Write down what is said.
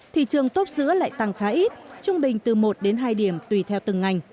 thì trường tốt giữa lại tăng khá ít trung bình từ một đến hai điểm tùy theo từng ngành